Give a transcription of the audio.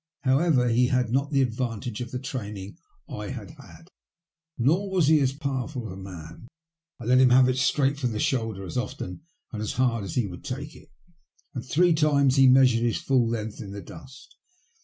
However he had not the advantage of the training I had had, nor was he as powerful a man. I let him have it straight from the shoulder as often and as hard as he would take it, and three times he measured his full length in the dust.